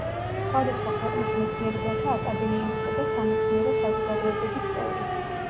სხვადასხვა ქვეყნის მეცნიერებათა აკადემიებისა და სამეცნიერო საზოგადოებების წევრი.